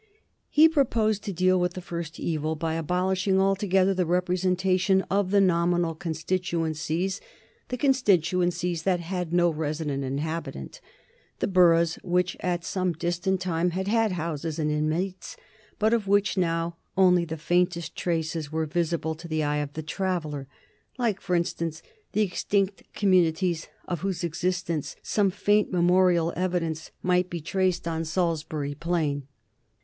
He proposed to deal with the first evil by abolishing altogether the representation of the nominal constituencies, the constituencies that had no resident inhabitant, the boroughs which at some distant time had had houses and inmates, but of which now only the faintest traces were visible to the eye of the traveller like, for instance, the extinct communities of whose existence some faint memorial evidence might be traced on Salisbury Plain.